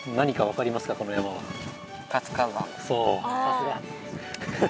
さすが！